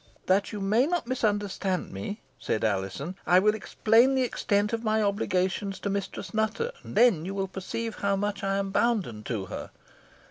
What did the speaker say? "That you may not misunderstand me," said Alizon, "I will explain the extent of my obligations to Mistress Nutter, and then you will perceive how much I am bounden to her.